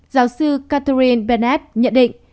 giáo sư catherine bennett nhận định